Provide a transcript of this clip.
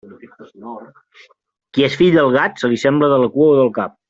Qui és fill del gat, se li assembla de la cua o del cap.